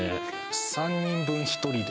「３人分１人で」